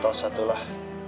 tau satu lah